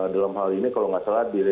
dalam hal ini kalau nggak salah